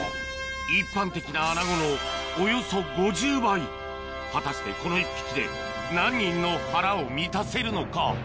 一般的なアナゴのおよそ５０倍果たしてこの１匹で何人の腹を満たせるのか？